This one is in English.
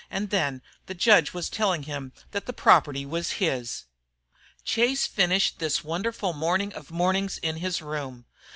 And then the judge was telling him that the property was his. Chase finished this wonderful morning of mornings in his room.